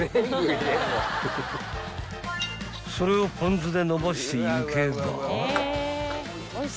［それをぽん酢でのばしていけば］